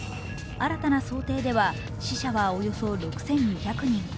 新たな想定では死者はおよそ６２００人。